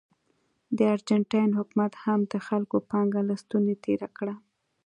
د ارجنټاین حکومت هم د خلکو پانګه له ستونې تېره کړه.